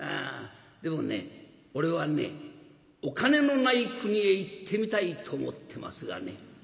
でもね俺はねお金のない国へ行ってみたいと思ってますがね」。